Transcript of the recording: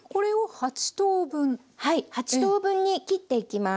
８等分に切っていきます。